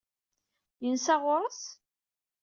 Yensa ɣur-s?